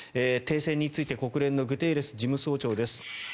停戦について国連のグテーレス事務総長です。